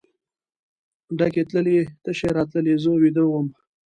ډکې تللې تشې راتللې زه ویده وم.